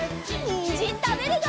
にんじんたべるよ！